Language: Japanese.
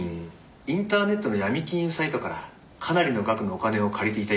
インターネットのヤミ金融サイトからかなりの額のお金を借りていたようでして。